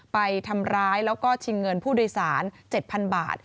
ไปทำร้ายแล้วก็ชิงเงินผู้โดยสาร๗๐๐บาท